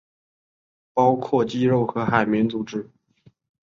包括肌肉和海绵组织。